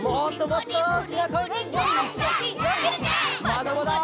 まだまだ！